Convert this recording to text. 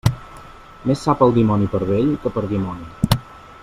Més sap el dimoni per vell que per dimoni.